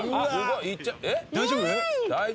大丈夫？